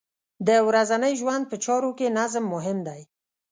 د ورځنۍ ژوند په چارو کې نظم مهم دی.